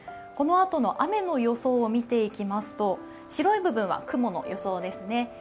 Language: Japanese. このあとの雨の予想を見ていきますと、白い部分は雲の予想ですね。